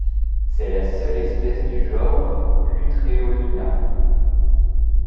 C'est la seule espèce du genre Lutreolina.